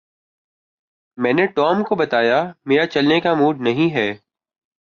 میں نے ٹام کو بتایا میرا چلنے کا موڈ نہیں ہے